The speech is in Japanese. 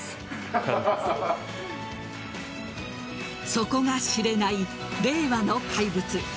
底が知れない令和の怪物。